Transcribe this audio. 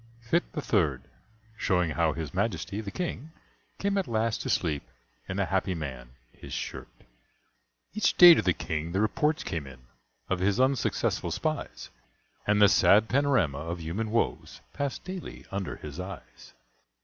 Fytte the Third: shewing how His Majesty the King came at last to sleep in a Happy Man his Shirt. Each day to the King the reports came in Of his unsuccessful spies, And the sad panorama of human woes Passed daily under his eyes.